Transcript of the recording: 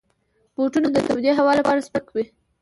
بوټونه د تودې هوا لپاره سپک وي.